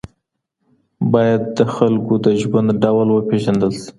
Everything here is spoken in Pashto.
باید د خلکو د ژوند ډول وپېژندل شي.